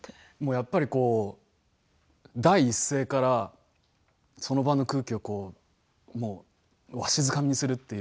やっぱり第一声からその場の空気をもう、わしづかみにするという。